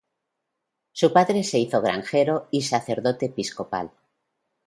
Su padre se hizo granjero y sacerdote episcopal.